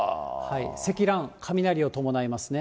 積乱雲、雷を伴いますね。